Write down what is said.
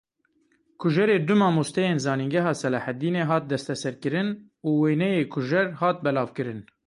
Kujerê du mamosteyên zanîngeha Selahedînê hat desteserkirin û wêneyê kujer hat belavkirin.